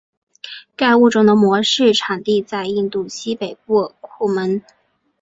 该物种的模式产地在印度西北部库蒙。